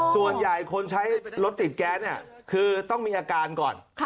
ส่วนใหญ่คนใช้รถติดแก๊สเนี่ยคือต้องมีอาการก่อน